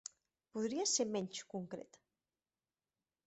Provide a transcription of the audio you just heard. Podries ser menys concret?